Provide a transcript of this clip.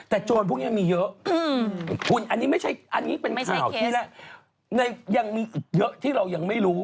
แต่โจรพวกนี้มีเยอะอันนี้เป็นข่าวที่แหละยังมีอีกเยอะที่เรายังไม่รู้